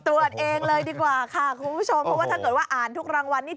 ตรวจเองเลยดีกว่าค่ะคุณผู้ชมเพราะว่าถ้าเกิดว่าอ่านทุกรางวัลนี้